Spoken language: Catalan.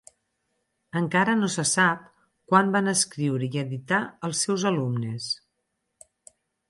Encara no se sap quant van escriure i editar els seus alumnes.